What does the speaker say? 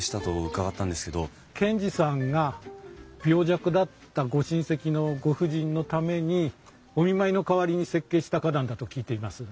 賢治さんが病弱だったご親戚のご婦人のためにお見舞いの代わりに設計した花壇だと聞いています。